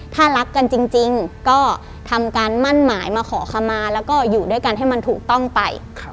ถ้ารักกันจริงก็ทำการมั่นหมายมาขอคำมาแล้วก็อยู่ด้วยกันให้มันถูกต้องไป